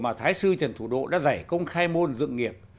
mà thái sư trần thủ độ đã giải công khai môn dựng nghiệp